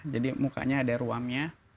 jadi mukanya ada ruamnya